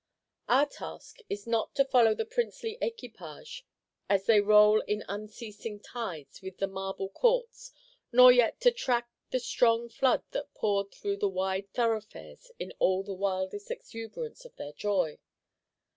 Our task is not to follow the princely equipages as they rolled in unceasing tides within the marble courts, nor yet to track the strong flood that poured through the wide thoroughfares in all the wildest exuberance of their joy.